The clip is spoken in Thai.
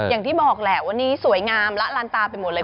อย่างที่บอกแหละวันนี้สวยงามละลานตาไปหมดเลย